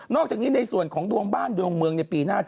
อกจากนี้ในส่วนของดวงบ้านดวงเมืองในปีหน้า